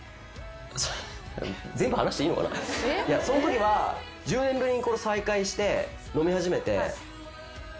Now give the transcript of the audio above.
そのときは１０年ぶりに再会して飲み始めて。